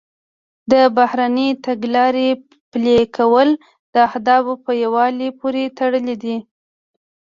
د بهرنۍ تګلارې پلي کول د اهدافو په یووالي پورې تړلي دي